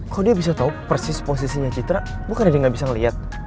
kok dia bisa tau persis posisinya citra bukan dia ga bisa liat